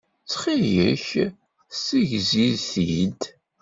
Ttxilek ssegzi-t-id.